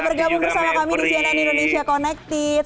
bergabung bersama kami di cnn indonesia connected